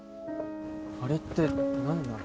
あれって何なの？